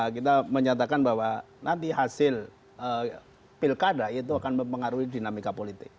kita menyatakan bahwa nanti hasil pilkada itu akan mempengaruhi dinamika politik